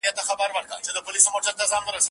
نه آدم رباب سور کړی نه مستي په درخانۍ کي